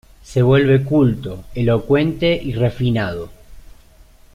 Se vuelve culto, elocuente y refinado.